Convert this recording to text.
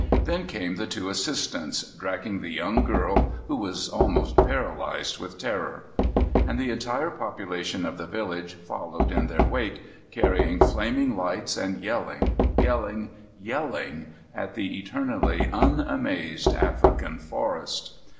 Then came the two assistants, dragging the young girl who was almost paralyzed with terror. And the entire population of the village followed in their wake, carrying flaming lights and yelling, yelling, yelling at the eternally unamazed African forest.